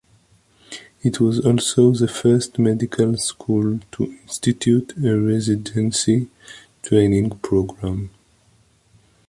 It was also the first medical school to institute a residency training program.